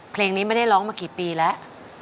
เพลงนี้ไม่ได้ร้องมากี่ปีแล้ว